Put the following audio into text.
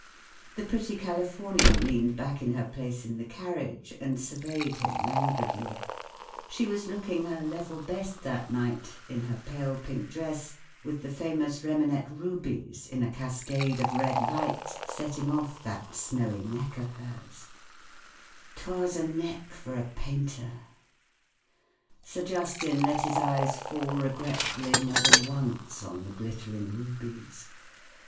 The pretty Cali¬ fornian leaned back in her place in the carriage and surveyed him languidly, She was looking her level best that night, in her pale pink dress, with the famous Remanet rubies in a cascade of red light setting off that snowy neck of hers, Twas a neck for a painter. Sir Justin let his eyes fall regretfully more than once on the glittering rubies.